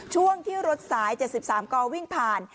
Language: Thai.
ช่วงที่รถสาย๗๓กวิ่งผ่าน